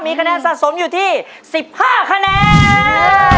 มีคะแนนสะสมอยู่ที่๑๕คะแนน